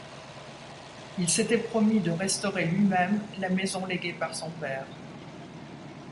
Il s'était promis de restaurer lui-même la maison léguée par son père.